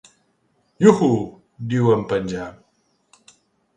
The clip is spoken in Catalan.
Iuhu! —diu en penjar.